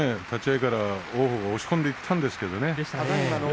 立ち合いから王鵬が押し込んでいったんですけどね